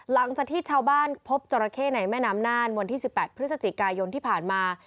หลังจากที่ชาวบ้านพบจราเข้ในแม่น้ำน่านวันที่๑๘พฤศจิกายนที่ผ่านมา